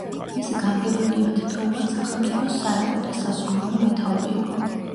მისი გამგებელი ერთდროულად სახელმწიფოს საერო და სასულიერო მეთაური იყო.